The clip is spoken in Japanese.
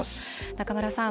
中村さん